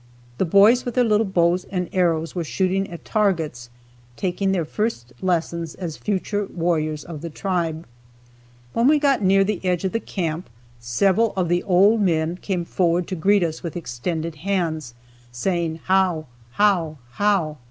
The boys with their little bows and arrows were shooting at targets taking their first lessons as future warriors of the tribe. When we got near the edge of the camp several of the old men came forward to greet us with extended hands, saying "how! how! how!"